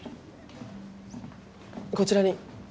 こちらに。